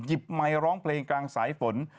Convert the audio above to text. หยิบไม้ร้องเพลงกลางสายฝน